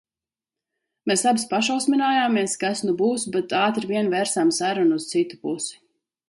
Mēs abas pašausminājāmies, kas nu būs, bet ātri vien vērsām sarunu uz citu pusi.